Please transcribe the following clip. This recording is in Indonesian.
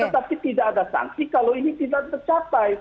tetapi tidak ada sanksi kalau ini tidak tercapai